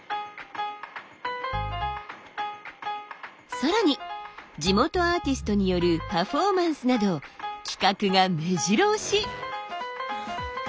更に地元アーティストによるパフォーマンスなど企画がめじろ押し。